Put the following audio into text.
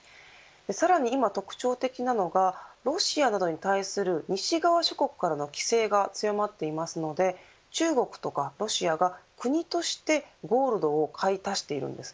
さらに今特徴的なのがロシアなどに対する西側諸国からの規制が強まっていますので中国とかロシアが、国としてゴールドを買い足しているんです。